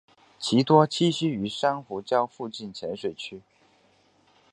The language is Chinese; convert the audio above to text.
其多栖息于珊瑚礁附近浅水区。